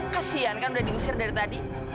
kasian kan udah diusir dari tadi